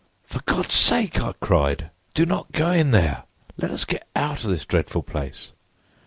'For God's sake,' I cried, 'do not go in there! Let us get out of this dreadful place!